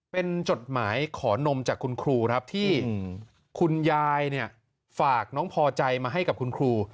เป็นจดหมายขอนมจากคุณครูครับที่คุณยายฝากน้องพอใจมาให้กับคุณครู